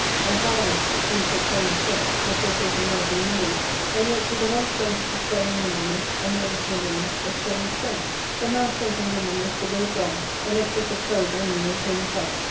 Amphialus seemed to excel in strength, the Forsaken Knight in nimbleness ; and yet did the one's strength excel in nimbleness, and the other's nimbleness excel in strength ; but now strength and nimbleness ARCADIA.— Book TIL 331 were both gone, and excess of courage only maintained the fight.